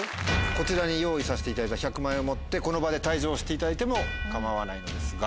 こちらに用意さしていただいた１００万円を持ってこの場で退場していただいても構わないのですが。